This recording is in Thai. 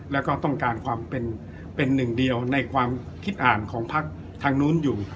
แล้วก็ต้องการความเป็นหนึ่งเดียวในความคิดอ่านของพักทางนู้นอยู่